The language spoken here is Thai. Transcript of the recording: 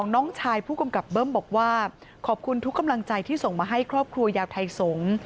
น้องชายผู้กำกับเบิ้มบอกว่าขอบคุณทุกกำลังใจที่ส่งมาให้ครอบครัวยาวไทยสงศ์